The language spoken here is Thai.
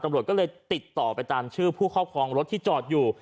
ตำรวจก็เลยติดต่อไปตามชื่อผู้ครอบครองรถที่จอดอยู่